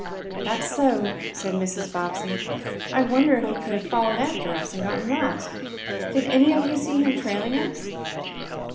"That's so," said Mrs. Bobbsey. "I wonder if he could have followed after us, and got lost? Did any of you see him trailing us?"